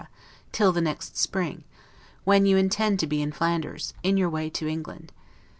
till the next spring; when you intend to be in Flanders, in your way to England.